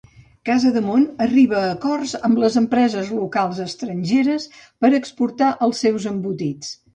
Casademont arriba a acords amb empreses locals estrangeres per exportar els seus embotits.